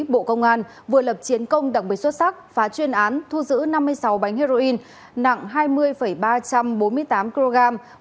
bộ công an vừa lập chiến công đặc biệt xuất sắc phá chuyên án thu giữ năm mươi sáu bánh heroin nặng hai mươi ba trăm bốn mươi tám kg